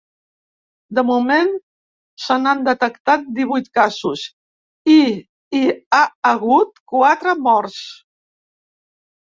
De moment, se n’han detectat divuit casos i hi ha hagut quatre morts.